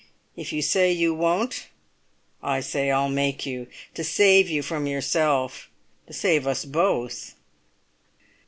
If you say you won't, I say I'll make you—to save you from yourself—to save us both."